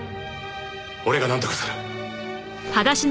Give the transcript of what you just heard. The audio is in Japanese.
俺がなんとかする。